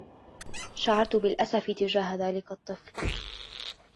شعرت بالأسف تجاه ذلك الطفل.